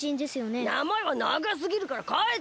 なまえはながすぎるからかえた！